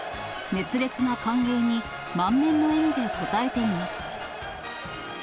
熱烈な歓迎に、満面の笑みで応えています。